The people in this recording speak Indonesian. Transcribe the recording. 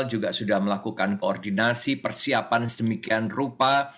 juga sudah melakukan koordinasi persiapan sedemikian rupa